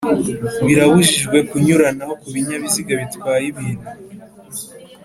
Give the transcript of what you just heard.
Birabujijwe kunyuranaho ku binyabiziga bitwaye ibintu